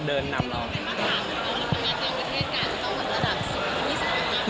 ต้องมีวัฒนฐานเหมาะกับประเทศการจะเข้าให้เป็นสุภาพที่สุดหน้าครับ